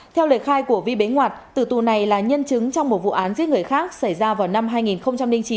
theo lời khai của vi bí ngoạt tử tù này là nhân chứng trong một vụ án giết người khác xảy ra vào năm hai nghìn chín